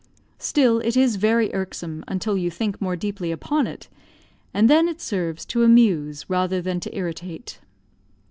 Still it is very irksome until you think more deeply upon it; and then it serves to amuse rather than to irritate.